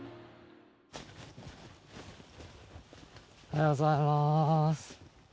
おはようございます。